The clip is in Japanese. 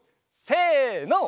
せの！